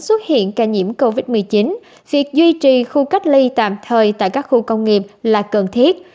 xuất hiện ca nhiễm covid một mươi chín việc duy trì khu cách ly tạm thời tại các khu công nghiệp là cần thiết